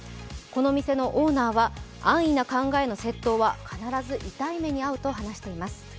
この店のオーナーは、安易な考えの窃盗は必ず痛い目に遭うと話しています。